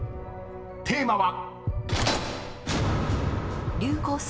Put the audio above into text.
［テーマは］